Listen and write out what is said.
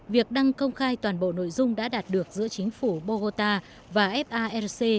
việc đăng công khai toàn bộ nội dung đã đạt được giữa chính phủ bogota và fac